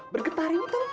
bergetar ini tau gak